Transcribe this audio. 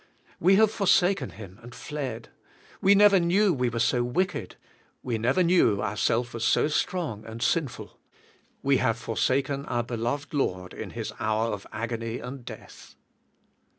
We have for saken Him and fled! We never knew we were so wicked; we never knew our self was so strong and sinful. We have forsaken our beloved Lord in His hour of agony and death!